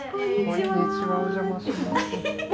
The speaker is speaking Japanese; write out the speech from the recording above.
こんにちはお邪魔します。